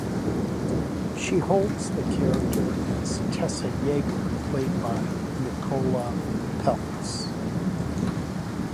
She holds the character as Tessa Yeager played by Nicola Peltz.